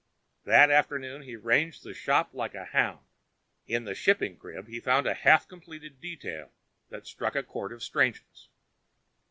That afternoon he ranged the shop like a hound. In the shipping crib, he found a half completed detail that struck a chord of strangeness.